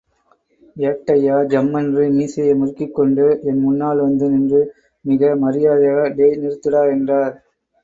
ஏட்டய்யா ஜம்மென்று மீசையை முறுக்கிவிட்டுக்கொண்டு என்முன்னால் வந்து நின்று மிக மரியாதையாக, டேய் நிறுத்துடா என்றார்.